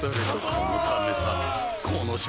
このためさ